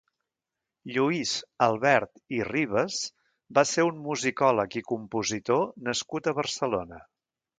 Lluís Albert i Rivas va ser un musicòleg i compositor nascut a Barcelona.